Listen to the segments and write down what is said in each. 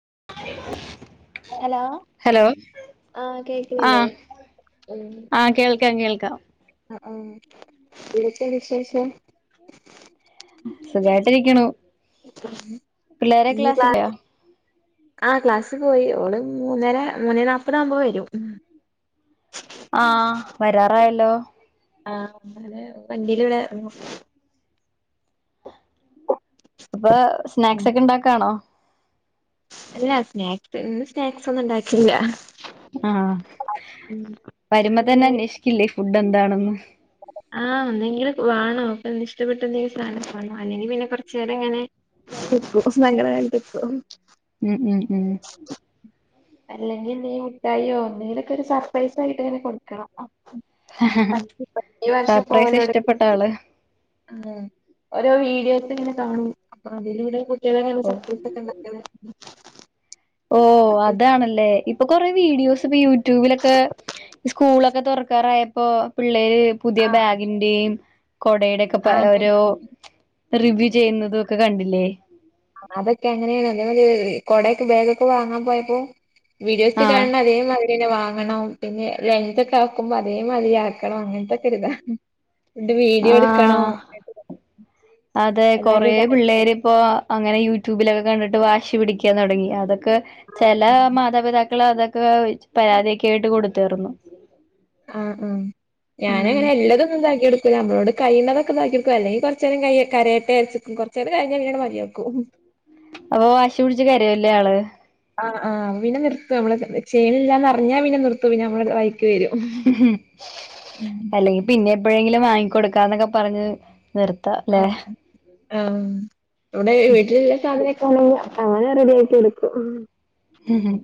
[unintelligible] Hello hello ആ കേക്കണി ല്ലേ ആ കേൾക്കാം കേൾക്കാം ആ ആ ഇവിടൊക്കെ വിശേഷം സുഖമായിട്ടി ഇരിക്കണു [unintelligible] പിള്ളാര്‌ ക്ലാസ്സിൽ പോയാ ആ ക്ലാസ്സി പോയി ഓള് മൂന്നേര മൂന്നേ നാല്പ്പത ആകുമ്പോ വരും ആ വരാറായല്ലോ ആ വണ്ടിൽ ഇവിടൊയിരുന്നു ഇപ്പൊ സ്നാക്സ് ഒക്കെ ഇണ്ടാക്കാണോ അല്ല സ്നാക്സ് ഇന്ന് സ്നാക്സ് ഒന്നും ഉണ്ടാക്കില്ല ആ വരുമ്പോ തന്നെ അന്വേഷിക്കില്ലേ ഫുഡ് എന്താണെന്ന് ആഹ് ഒന്നെങ്കിലും വേണോ ഇഷ്ടപ്പെട്ട എന്തെങ്കിലും സാധനാണോ അല്ലെങ്കിൽ പിന്നെ കൊറച്ച നേരം ഇ ങ്ങനെ നല്ല മഴ ഉണ്ട് ഇപ്പൊ മ് മ് മ് അല്ലെങ്കിൽ നീ മുട്ടായിയോ എന്തെങ്കിലൊക്കെ ഒരു സർപ്രൈസ ആയിട്ട് ഇങ്ങനെ കൊടുക്കണം ഹ ഹ സർപ്രൈസ് ഇഷ്ടപ്പെട്ട ആള് ആ ഓരോ വീഡിയോസ് ഇങ്ങനെ കാണും അ അതിലൂടെ കുട്ടികളെ ഇ ങ്ങെ ഓ സപ്പോ ഒക്കെ ഉണ്ടാക്ക ഓ അതാണല്ലേ ഇപ്പൊ കൊറെ വീഡിയോസ് ഇപ്പൊ യൂടബ യ്യൂബിലൊക്കെ സ്കൂളൊക്കെ തുറക്കാറായപ്പോപിള്ളേ പുതിയ ആഹ് ബാഗിന്റെയും ആഹ് കൊടയുടെക്കെഓരോ റിവ്യൂ ചെയ്യുന്നതും ഒക്കെ കണ്ടില്ലേ അതൊക്കെ അ ങ്ങനെയാണ് അതേ കൊടയൊക്കെ ബേഗൊക്കെ വാങ്ങാൻ പോയപ്പോ വീഡിയോസ് ആഹ് കാണുന്ന അതേമാതിരി പിന്നെ വാങ്ങണം പിന്നെ ലഞ്ച് ഒക്കെ ആക്കുമ്പോ അതേ മതിയാക്കണം അങ്ങനത്തെക്കെരി ഇതാ ഇതിന്റ വീഡിയോ എടുക്കണോ ആഹ് അതെ എല്ലാർക്കും കുറെേ കാണിച്ച് പിള്ളേരി കൊടുക്കണം ഇപ്പോ അങ്ങനെ യൂട്യൂബിലൊക്കെ കണ്ടിട്ട് വാശി പിടിക്കാൻ തുടങ്ങി അതൊക്കെ ചില മാതാപിതാക്കൾ അതൊക്കെവല്യ പരാതിയൊക്കെ ആയിട്ട് കൊടുത്തർന്നു ആആ ഞാന അങ്ങനെ അല്ലാതൊന്നുംഇണ്ടാക്കി കൊ ടുക്കൂല നമ്മളോട് കഴണതൊക്കെ ഇണ്ടാക്കി കൊ ടുക്കും അല്ലെങ്ക കുറച്ച നേരം ക കരേട്ട അയച്ചക്കും കുറച്ച നേരം കഴിഞ്ഞൽഞ്ഞങ്ങെ മതിയ ക്കും അപ്പൊ വാശി പിടച്ച്കരയി ല്ലേ ആള് ആ ആ പിനെ നിർത്തു നമ്മള് ചെയേണില്ലാന്ന്റിഞ്ഞാ പിന്നെ നിർത്തു പിന്നെ നമ്മ അല്ലെങ്കിൽ പിന്നെ എപ്പോഴെങ്കിലും വാങ്ങിക്കൊടുക്കാന്നൊക്കെ പറഞ്ഞ് നിർത്ത അല്ലെ ആ ഇവിടെ വീട്ടിലുള്ള സാധനൊക്കെ ആണെങ്കിൽ സാധനം റെഡിയ ആാക്കി എടുക്കും മ് മ്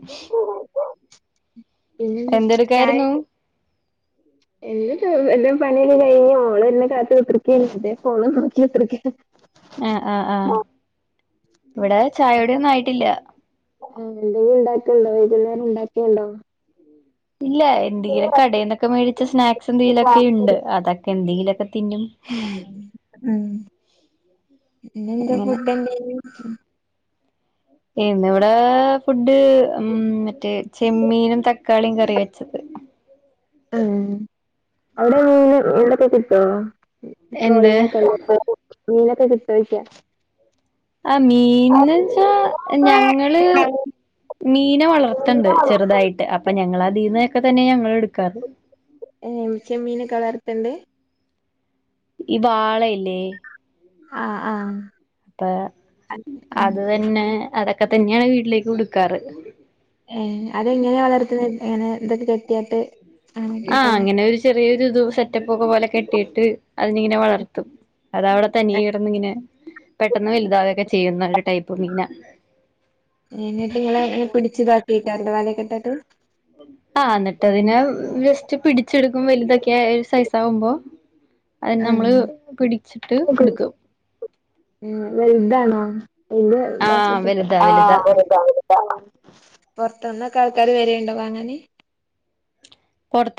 പിന്നെന്താ ചായ എന്റെ എ പണിയൊക്കെ കഴിഞ്ഞ് ഓള് കാത്ത്കുത്തി ഇരിക്കക് അ പ്പോ ഫോ നോക്കി കുത്തിരി ക്ക ആഹ് ആഹ് ആഹ് ഇവിടെ ചായ കുടിയൊന്നും ആയിട്ടില്ല ആഹ് എന്തെങ്കിലും ഉണ്ടാക്കേണ്ടോ വൈകുന്നേരം ഉണ്ടാക്കേണ്ടോ ഇല്ല എന്തെങ്കിലും കടയിൽന്നൊക്കെ മേടിച്ച സ്നാക്സ് എന്തെങ്കിലുമൊക്കെ ഉണ്ട് അതൊക്കെ എന്തെങ്കിലും ഉം പിന്നെ എന്താ അങ്ങനെ ഫുഡ് ഇന്ന് ഇവിടെ ഫുഡ് ഉം മറ്റേ ചെമ്മീനും തക്കാളിയും കറി വെച്ചത് ഉം അവിടെ മീന് ഇവിടെക്കെ കിട്ടോ എന്ത് ട്രോളിങ്ങ് ഒക്കെല്ലെപ്പൊ മീനൊക്കെ കിട്ടോയ്ക്കാ ആ മീന്ന്ച്ചാ ഞങ്ങള് മീനെ വളർത്തണ്ട് ചെറുതായിട്ട് അപ്പൊ ഞങ്ങളതിന്നൊക്കെ തന്നെ ഞങ്ങള് എടുക്കാറ് ഉം ഏ ചെമ്മീനൊക്കെ വളർത്തുണ്ട് ഈ വാളയല്ലേ ആഹ് ആഹ് അപ്പൊ ഉം അത് തന്നെ അതൊക്കെ തന്നെയാണ് വീട്ടിലേക്ക് എടുക്കാറ് ഏ അതെങ്ങനെ വളർത്തുന്ന എങ്ങനെ എന്തൊക്കെ കെട്ടിയായിട്ട് ആഹ് അങ്ങനെ ഒരു ചെറിയൊരു ഇത് സെറ്റപ്പ് ഒക്കെ പോലെ കെട്ടിയിട്ട് അതി ഇങ്ങനെ വളർത്തും അതവിടെ തനി കിടന്ന് ഇങ്ങനെ പെട്ടെന്ന് വലുതാവൊക്കെ ചെയ്യുന്ന ഒരു ടൈപ്പ് പ്പ്മീന എന്നിട്ടു നിങ്ങളെയ്നെ പിടിച്ചതാക്കൈ കാരലെ വലൊക്കെട്ടാട്ട് ആഹ് എന്നിട്ട് അതിനെ ജസ്റ്റ് പിടിച്ചെടുക്കും വലുതൊക്കെ ഒരു സൈസ് ആകുമ്പോ അത് ഉം നമ്മള് പിടിച്ചിട്ട് എടുക്കും [unintelligible] ആഹ് വലുതാ വലുതാ പൊറത്താന്ന് ആൾക്കാര് വരേണ്ടോ വാങ്ങാന് കൊടുത്ത്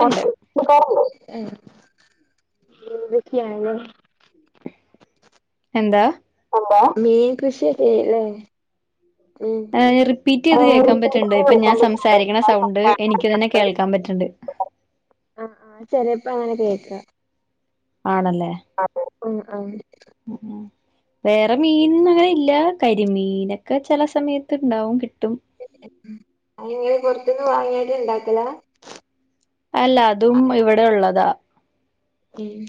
കൊടുക്കാറുണ്ട് ഉം എന്തൊക്കെയാണ് എന്താ മീൻ കൃഷിയ ചെയ്യല്ലെ റിപ്പീറ്റ് ചെയ്ത് കേൾക്കാൻ പറ്റുന്നുണ്ട് ഇപ്പൊ ഞാൻ സംസാരിക്കണ സൗണ്ട് എനിക്ക് തന്നെ കേൾക്കാൻ പറ്റും ണ്ട് ആഹ് ആ ചെലേപ്പം അങ്ങനെ കേക്ക ആണല്ലേ അതെ ഉം ആഹ് വേറെ മീൻ അങ്ങനെ ഇല്ല കരിമീനൊക്കെ ചില സമയത്ത് ഉണ്ടാവും കിട്ടും കിട്ടും ഉം അങ്ങനെ പുറത്തുന്ന് വാങ്ങിയിട്ട് ഇണ്ടാക്കലാ അല്ല അതും ഇവിടെ ഉള്ളതാ ഉം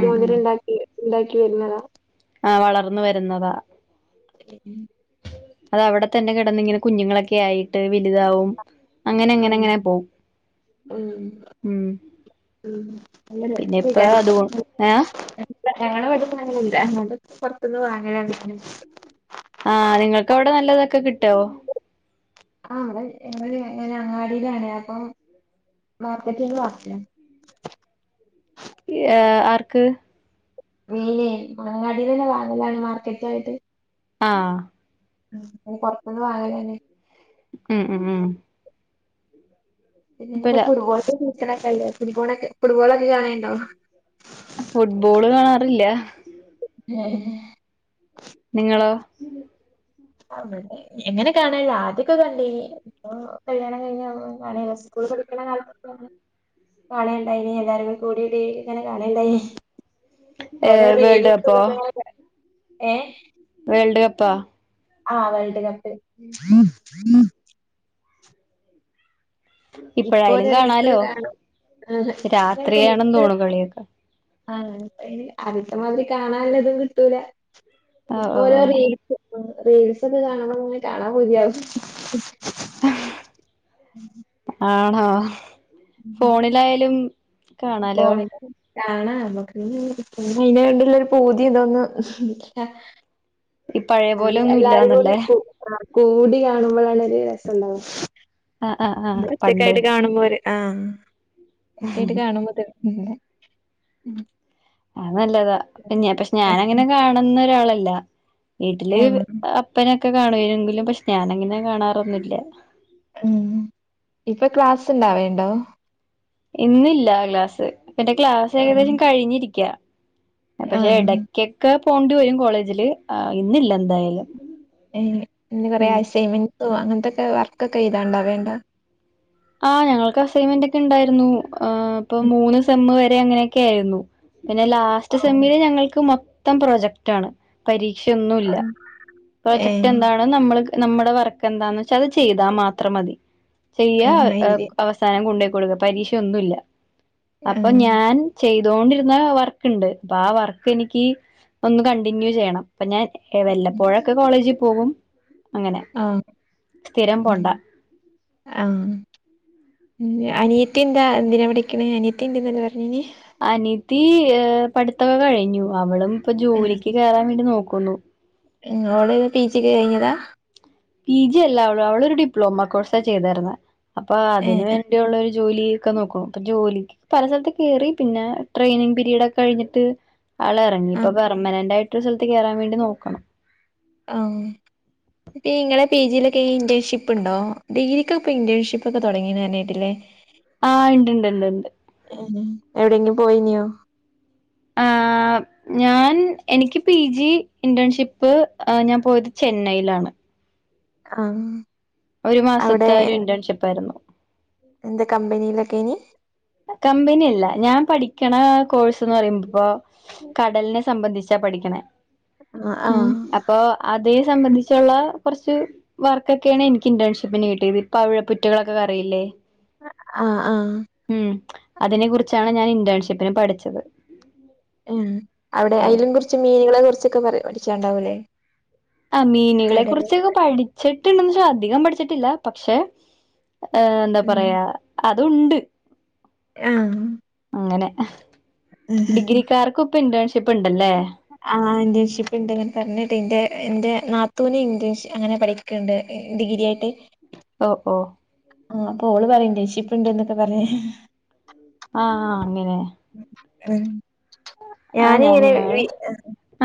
ഉം മുതൽ ഉം ഉണ്ടാക്കി ഉണ്ടാക്കി വരുന്നതാ ആ വളർന്നു വരുന്നതാ ഉം അത് അവിടെ തന്നെ കിടന്നിങ്ങനെ കുഞ്ഞുങ്ങളൊക്കെ ആയിട്ട് വലുതാവും അങ്ങനെ ആഹ് എങ്ങനെങ്ങനെ പോ ഉം ഉ [unintelligible] ഞങ്ങളെ പിന്നെ ഇപ്പ അത് ഏ എവടെ യൊ ന്നുംഅങ്ങനെ ല്ല ഞ പുറത്തൊന്ന് വാങ്ങ ആഹ നിങ്ങൾക്ക് അവിടെ നല്ലതൊക്കെ കിട്ടോ ആ അവടെ ങ്ങടെ എങ്ങനെ അങ്ങാടിയിലാണ് അപ്പം മാർക്കറ്റ്ന്ന് വാങ്ങലാ ആ ഏ ആർക്ക് മിനെ അങ്ങാടിന്ന് തന്നെ വാങ്ങലാണ് മാർക്കറ്റ് ആയിട്ട് ആഹ് പൊറത്തിന്ന് വാങ്ങലെനി ഉം ഉം ഉം പിന്നെപ്പോ ഇപ്പല്ല ഫുട്ബോള്ൻ്റെ സിസണൊക്കല്ലെ ഫുട്ബോൾ ഫുട്ബോളൊക്കെ കാണേണ്ടോ ഇല്ല ആ നിങ്ങള് എങ്ങനെ കാണ ആദ്യക്ക കണ്ടേ കല്ണം കഴിഞ്ഞ കാണണ്ടായി എല്ലാരും കൂടിട്ട ഇങ്ങനെ കാണണ്ടായി ഏ രറേ വേൾഡ് കപ്പോ ഏ [unintelligible] വേൾഡ് കപ്പാ ആഹ വേൾഡ് കപ്പ് ഇപ്പോല ഇപ്പഴായാലും റേസ് ഒ കാണാലോ കാണും രാത്രിയാണെന്ന് റീൽസ് തോണു കളിയൊക്കെ ആഹ അത്യ ത്തമാതിരി കാണ്ണാൻ ലതും കിട്ടൂല ഓ ഇപ്പോലോ ഓ റീൽസ് റീൽസ്ന്നെ കാണണം അങ്ങനെ കാണാ പൂതിയാവും ആണഹോ ഉം ഫോണിലായാലും കാണാലോ കോളേജ് കാണാ നമ്മുക്ക് പിന്ന അയിതിനെണ്ടുള്ള ഒരു പൂതി ഇതോൊന്നും ഈ പഴയ അ പോലെ ഒന്നും എല്ലാരും ഇല്ലാന്നല്ലേ കൂടി കൂടി കാണുമ്പോഴാണ് ഒരു രസംുണ്ടാവത് ആഹ് ആഹ് ആഹ് ഒറ്റ പണ്ട് ക്കായിട്ട് കാണുമ പോരെ ആഹ തറ്റായിട്ട് കാണുമ്പോ തർന്ന [unintelligible] നല്ലതാ പിന്നെ പക്ഷെ ഞാൻ അങ്ങനെ കാണുന്ന ഒരാളല്ല വീട്ടില് ആഹ് അപ്പനൊെ െ കാണരങ്കിലും പക്ഷെ ഞാനങ്ങനെ കാണാറൊന്നുമില്ല ഉം ഇപ്പൊ ക്ലാസ് ഇണ്ടാവേണ്ടോ ഇന്നില്ല ക്ലാസ് ഇപ്പന്റെ ക്ലാസ് ആഹ് ഏകദേശം കഴിഞ്ഞിരിക്കാ പക്ഷെ ആഹ് ഇടക്കൊക്കെ പോകേണ്ടി വരും കോളേജില് ഇന്നില്ല എന്തായാലും എന്ത കുറ ഉം അസൈൻമെന്റ്സോ അങ്ങനത്തെൊക്കെ വർക്കൊക്കെ എയ്താൻ ഉണ്ടാവൽ ണ്ടോ ആഹ് ഞങ്ങൾക്ക് അസൈൻമെന്റ് ഒക്കെ ഉണ്ടായിരുന്നു ആ ഇപ്പൊ മൂന്ന് സെമ്മ വ അ അങ്ങനെ യൊകെ ആയിരുന്നു പിന്നെ ലാറ്റ് സെമ ആഹ് ഞങ്ങക്ക് മൊത്തം പ്രോജക്റ്റ് ആണ് ക്ഷൊന്നുല്ല ആഹ് പ്രോജക്ട് ഏഹ് എന്താണ് നമ്മൾ നമ്മുടെ വർക്ക് എന്താന്ന് വെച്ചാൽ അത് ചെയ്താൽ മാത്രം മതി ചെയ്യ ആഹ് എഴുതി അവസാനം കൊണ്ടേ പരീക്ഷൊന്നുമല്ല അപ്പൊ ആഹ് ഞാൻ ചെയ അതുകൊണ്ടിരുന്ന വർക്ക് ഉണ്ട് അപ്പൊ ആ വർക്ക് എനിക്ക് ഒന്ന് കണ്ടിന്യൂ ചെയ്യണം അപ്പൊ ഞാൻ വല്ലപ്പോഴൊക്കെ കോളേജിൽ പോകും അങ്ങനെ ആഹ് സ്ഥിരം ഉം പോണ്ട ഉ അനിയത്തി എന്താ എന്തിനാ പ ഠിക്കണ് അനിയത്തി ഉണ്ട്‌ എന്നാല്യ പറഞ്ഞത് അനിത്തി ർ പഠിത്തൊക്കെ കഴിഞ്ഞു അവളും ഇപ്പൊ ജോലിക്ക് കയറാൻ വേണ്ടി നോക്കുന്നു നിങ്ങളോട് പി ജിക്ക് കഴിഞ്ഞതാ പി ജി അല്ല ഉള്ളൂ അവളൊരു ഡിപ്ലോമ കോഴ്സ ചെയ്തരുന്ന അപ്പൊ ഏ അതിനന് വേണ്ടിയുള്ള ഒരു ജോലി ക്കെ നോക്ക ഇപ്പൊ ജോലിക്ക് പല സ്ഥലത്ത് കേറി പിന്നെ ട്രെയിനിങ് പിീരീഡ് ഒക്കെ കഴിഞ്ഞിട്ട് ആൾ ഇറങ്ങി ഇപ്പൊ ആഹ് പെർമനന്റ് ആയിട്ടൊരു സ്ഥലത്ത് കയറാൻ വേണ്ടി നോക്കണം ആഹ ഇപ്പ നിങ്ങളെ പി ജിയിലൊക്കെ ഇന്റേൺഷിപ്പ് ഉണ്ടോ ഡിഗ്രക്ക്ൊ ഇപ്പ ഇന്റേൺഷിപ്പ് ഒക്കെ തുടങ്ങിണ് ന്ന് പറഞ്ഞു ക്കേറ്റ് ല്ലേ ആഹ ഇണ്ട്ണ്ട് ഇണ്ട്ണ്ട് പോയിന്ു ആ ഞാൻ എനിക്ക് പി ജി ഇന്റേൺഷിപ്പ് ഞാൻ പോയത് ചെന്നൈയിലാണ് ആഹ ഒരു മാസത്തെ ഒരു ഇന്റേൺഷിപ്പ് ആയിരുന്നു എന്ത കമ്പനയിലൊക്കെണ കമ്പനിയല്ല ഞാൻ പഠിക്കണ കോഴ്സ് പറയുമ്പോപ്പോ കടലിനെ സംബന്ധിച്ച പഠിക്കണെ ആഹ് ആഹ് അതേ സംബന്ധിച്ചുള്ള കുറച്ച് വർക്കൊക്കെയാണ് എനിക്ക് ഇന്റേൺഷിപ്പിന് കിട്ടിയത് ഇപ്പൊ അവടെ കുറ്റികളൊക്കെ അറിയില്ലേ? ആഹ് ആഹ് ഉം അതിനെ കുറിച്ചാണ് ഞാൻ ഇന്റേൺഷിപ്പിന് പഠിച്ചത് ഉം അവിടെ അലും കുറച്ച് മീനുകളെ കുറിച്ചൊക്കെ പറ പഠിച്ചണ്ടാവൂല്ലേ ആ മീനുകളെ കുറിച്ചൊക്കെ പഠിച്ചിട്ടുണ്ട് അധികം പഠിച്ചിട്ടില്ല പക്ഷെ ഏ എന്താ ഉം പറയാ അതുണ്ട് ആഹ് അങ്ങനെ ഡിഗ്രിക്കർക്കും ഇപ്പ ഇന്റേൺഷിപ്പ് ഉണ്ടല്ലേ ഇഷിപ്പ് ഇണ്ട് പറഞ്ഞിട്ട് ഇന്റെ ഇന്റെ നാത്തൂവിനെ ഇ് അങ്ങനെ പഠിക്കുന്നുണ്ട് ഡിഗ്രി ആയിട്ട് ഓ ഓ ആഹ് അപ്പൊ ഓള് പറയ ഇന്റൺഷിപപ്പ് ഇണ്ട് എന്നൊക്കെ പറയാ ആഹ ആഹ് അങ്ങനെ ആ ഞാന ഇങ്ങനെ ഞങ്ങള്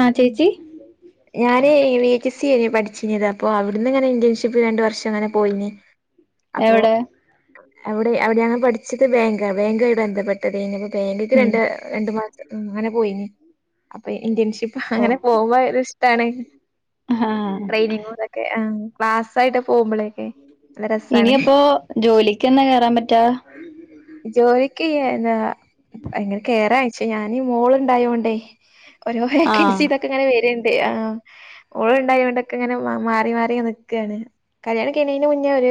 ആ ചേച്ചി ഞാന് വി ച്ച് സി പഠിച്ചിത് അപ്പൊ അവിടുന്ന് ഇങ്ങനെ ഇന്റേൺഷിപ്പ് രണ്ടു വർഷം അങ്ങനെ പോയിനേ എവിടെ അവിടെ അവിടെ ഞങ്ങൻ പഠിച്ചത് ബാങ്ക് ബാങ്ക്ആയി ബന്ധപ്പെട്ടത് ഇനിപ്പോ ബാങ്കക്ക് ര ഉം രണ്ടു മാസം ആ അങ്ങനെ പോയിനി അപ്പൊ ഇന്റേൺഷിപ്പ് ഓ അങ്ങനെ പോകുമ്പോ ഇഷ്ടാണ്. ആ ട്രെയിനിങ്ങതക്കെ ക്ലാസ്സ് ആയിട്ട് പോകുമ്പോഴൊക്കെ ഇനി അപ്പോ ജോലിക്ക് എന്നാ കേയറാൻ പറ്റാ [unintelligible] കയറയച്ച ഞാനീ മോള ഇണ്ടായോണ്ടേ ആഹ് [unintelligible] ആ ഓള ഇണ്ടായൊണ്ടൊക്കെ ഇങ്ങനെ മാറി മാറിനിക്കയാണ്.... കല്യാണം കഴിണിന് മുന്നേ ഒരു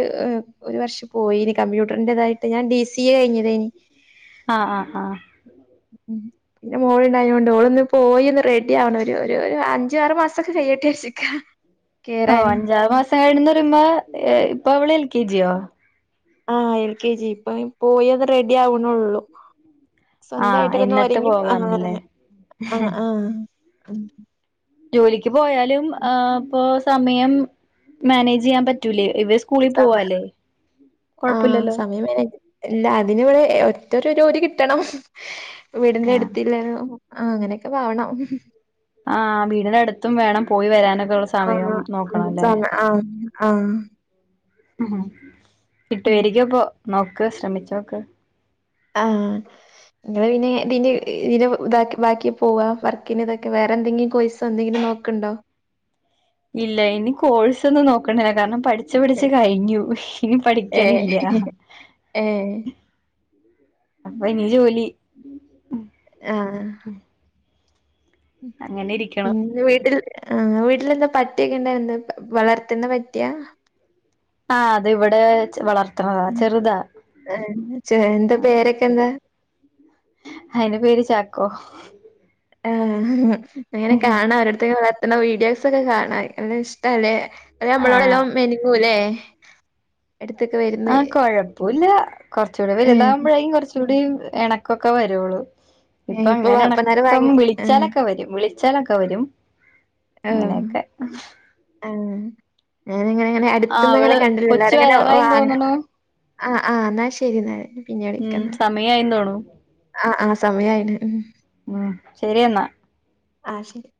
ഒരു വർഷം പോയിനി കമ്പ്യൂട്ടറിന്റേതായിട്ട് ഞാൻ ഡി സി എ കഴിഞ്ഞതേനി ആഹ ആഹ് ആഹ് മോൾ ഇണ്ടായൊണ്ട് ഓൾ പോയിന്ന് റെഡി ആണം ഒരു ഒരു അഞ്ചാറ്മാസൊക്കെ കയ്യട്ടെ വിചാരിച്ചിരിക്ക. ഓ അഞ്ചാറു മാസം കഴന്ന് പറരുമ്പോ ഇപ്പൊ അവള് എൽ കെജിയോ..... ആഹ് എൽ കെ ജി ഇപ്പ പോയിത് റെഡി ആവണള്ളു ആ സ്വന്തായിട്ടൊക്കന്ന് എന്നിട്ട് ഒരുങ്ങി പോകാന്നല്ലേ ആഹ് ആഹ് ആഹ്. ജോലിക്ക് പോയാലും ആ ഇപ്പ സമയം മാനേജ് ചെയ്യാൻ പറ്റൂലേ...... ഇവര് സ്കൂളിൽ സമ പോവാല്ലേ ആഹ കൊഴപ്പില്ലല്ലോ സമയം അതിവിടെ ഒറ്റ ഓരി കിട്ടണം ആ വീടിന്റെ അടുത്തില്ല അങ്ങനെയൊക്കെ വാവണം ആഹ് വീടിനടുത്ത് എത്തും വേണം പോയി വരാനൊക്കെ ഉള്ള സമയം ആഹ് ഉം നോക്കണം ല്ലേ...... സമ ആഹ് ആഹ് ഉം ഉം. വിട്ടുവരികപ്പ നോക്ക് ശ്രമിച്ച നോക്ക് ആഹ് നി പിന്നെ ഇ ഇ ബാക്കി പോവാ വർക്കിന് ഇതൊക്കെ വേറെ എന്തെങ്കിലും കോയിസോ എന്തെങ്കിലും നോക്കണ്ടോ ഇല്ല ഇനി കോഴ്സ് ഒന്നും നോക്കണില്ല കാരണം പഠിച്ച പഠിച്ച കഴിഞ്ഞു ഇനി ഏഹ് പഠിക്കാനില്ല ഏഹ് അപ്പൊ ഇനി ജോലി ആഹ് അങ്ങനെ ഇരിക്കണം വീട്ടിൽ ആഹ് വീട്ടിലെ എന്താ പറ്റിയക്കെ ഇണ്ടാവ എന്താ വളർത്തുന്ന പട്ടിയാ ആഹ് അത് ഇവിടെ വളർത്..... അത്ര ചെറുതാ എന്താ പേരൊക്കെ എന്താ? അയിന്റെ പേര് ചാക്കോ ആ ങ്ങനെ കാണാം അവരുടുത്തേും വളത്തണ വീഡിയോസ് ഒക്കെ കാണാം എല്ലാം ഇഷ്ടല്ലേ..... തെ ആഹ് നമ്മളോടെല്ലാം മെനിങ്ങു ല്ലേ...... ആ കൊഴപ്പൊല്ല കൊറച്ചുടി ഏഹ് വലുതാകുമ്പോഴേും കൊറച്ചൂടി എണക്കൊക്കെ വരുള്ളൂ ഏഹ് ഇപ്പൊ അങ്ങനെ ഇപ്പന്നാരെ ണക്കം വാങ്ങി ആഹ് വിളിച്ചാലൊക്കെ വരും വിളി ച്ചലൊക്കെ വരും അങ്ങനെയൊക്കെ ആ ഞാനിങ്ങനെ ങ്ങനെ ആഹ് അടുത്ത്ന്ന അങ്ങനെ അവള് കൊച്ച് കണ്ടില്ലല്ലാരങ്ങനെ വരാറായെന്ന് വാങ്ങ തോന്നണു ആ ആ ന്നാ ശരി എന്നാ പിന്നെ ഉം വിളിക്കന്ന സമയായിന്ന് തോണു ആ അ സമയായിന് മ് ശരിയെന്നാ ആ ശരി